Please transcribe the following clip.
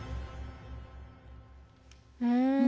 うん。